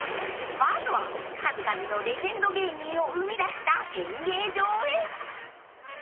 ［まずは数々のレジェンド芸人を生み出した演芸場へ］